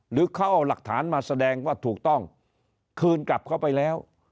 หรือเขาเอาหลักฐานมาแสดงว่าถูกต้องคืนกลับเข้าไปแล้ว